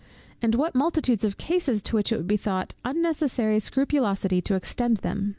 and what multitudes of cases to which it would be thought unnecessary scrupulosity to extend them!